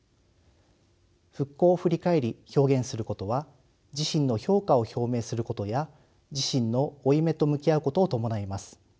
復興を振り返り表現することは自身の評価を表明することや自身の負い目と向き合うことを伴います。